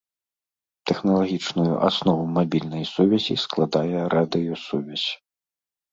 Тэхналагічную аснову мабільнай сувязі складае радыёсувязь.